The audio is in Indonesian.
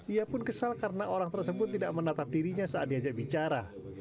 ia pun kesal karena orang tersebut tidak menatap dirinya saat diajak bicara